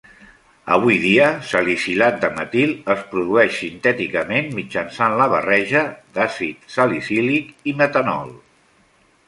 Avui dia, salicilat de metil es produeix sintèticament mitjançant la barreja d'àcid salicílic i metanol.